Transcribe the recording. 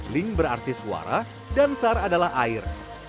link berarti suara dan sar adalah air